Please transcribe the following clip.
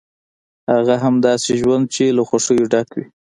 هغه هم داسې ژوند چې له خوښیو ډک وي.